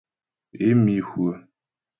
Ě mi hwə̂.